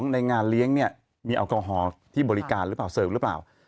ในงานเลี้ยงเนี่ยมีแอลกอฮอล์ที่บริการหรือเปล่าเสิร์ฟหรือเปล่า